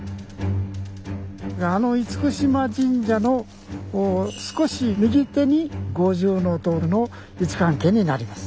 あの嚴島神社の少し右手に五重塔の位置関係になります。